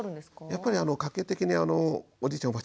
やっぱり家系的におじいちゃん